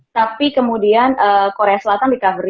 tapi kemudian korea selatan recovery